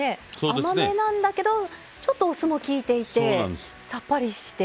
甘めなんだけどちょっとお酢もきいていてさっぱりして。